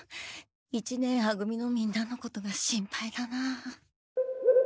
一年は組のみんなのことが心配だなあ。